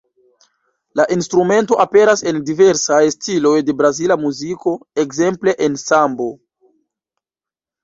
La instrumento aperas en diversaj stiloj de brazila muziko, ekzemple en sambo.